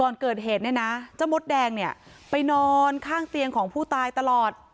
ก่อนเกิดเหตุเนี่ยนะเจ้ามดแดงเนี่ยไปนอนข้างเตียงของผู้ตายตลอด